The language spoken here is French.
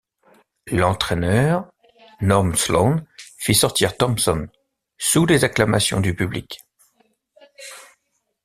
L'entraîneur Norm Sloan fit sortir Thompson, sous les acclamations du public.